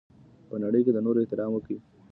په نړۍ کي د نورو احترام وکړئ.